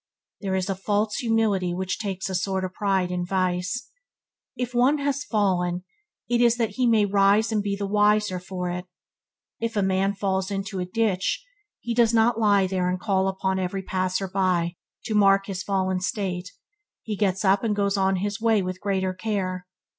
There is a false humility which takes a sort of pride in vice. If one has fallen, it is that he may rise and be the wiser for it. if a man falls into a ditch, he does not lie there and call upon every passer by to mark his fallen state, he gets up and goes on his way with greater care.